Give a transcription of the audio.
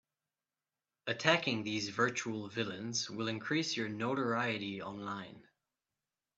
Attacking these virtual villains will increase your notoriety online.